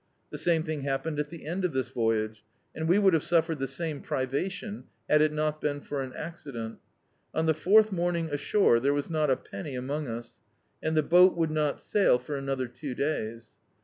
The same thing haf^iened at the end of this voyage, and we would have suffered the same pri vation — had it not been for an accident On the fourth morning ashore there was not a penny among us, and the boat would not sail for another two days.